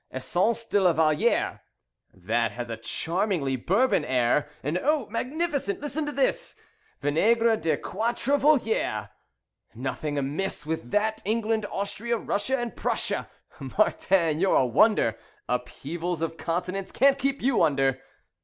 'Essence de la Valliere' That has a charmingly Bourbon air. And, oh! Magnificent! Listen to this! 'Vinaigre des Quatre Voleurs'. Nothing amiss With that England, Austria, Russia and Prussia! Martin, you're a wonder, Upheavals of continents can't keep you under."